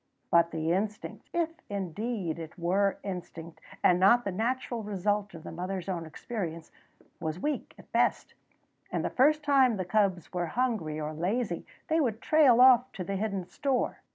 But the instinct if indeed it were instinct, and not the natural result of the mother's own experience was weak at best; and the first time the cubs were hungry or lazy they would trail off to the hidden store.